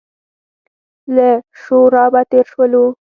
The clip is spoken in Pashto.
له شورابه تېر شولو.